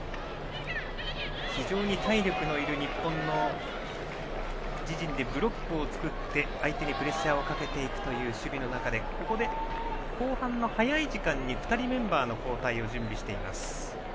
非常に体力のいる日本の自陣でブロックを作って相手にプレッシャーをかけていく守備の中でここで後半の早い時間に２人メンバー交代です。